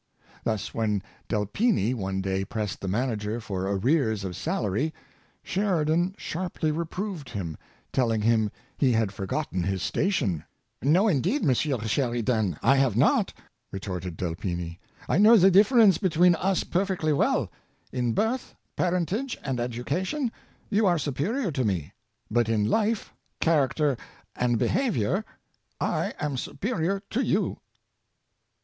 Thus, when Delpini one day pressed the manager for arrears of salary, Sheridan sharply reproved him, telling him he had forgotten his station. " No, indeed. Monsieur Sheridan, I have net," retorted Delpini; " I know the diflerence between us perfectly well. In birth, parentage and education you are superior to me, but in life, character and behavior I am superior to you."